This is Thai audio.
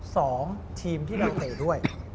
สองทีมที่เราเตะด้วย